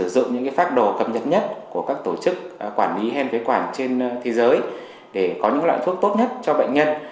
bệnh viện pháp đồ cập nhật nhất của các tổ chức quản lý hen phế quản trên thế giới để có những loại thuốc tốt nhất cho bệnh nhân